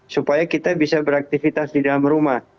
supaya kita bisa beraktivitas di dalam rumah